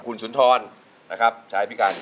คุณสุนทรนะครับชายพิการ